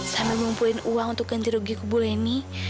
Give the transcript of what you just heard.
sambil mengumpulin uang untuk ganti rugi kubu lenny